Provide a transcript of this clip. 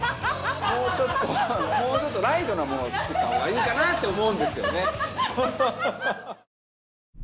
もうちょっともうちょっとライトなものを作った方がいいかなって思うんですよね。